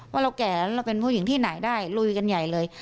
เราแก่แล้วเราเป็นผู้หญิงที่ไหนได้ลุยกันใหญ่เลย